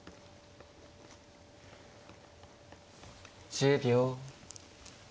１０秒。